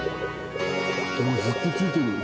でもずっとついてるよ。